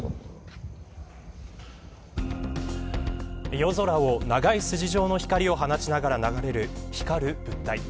夜空を長い筋状の光を放ちながら流れる光る物体。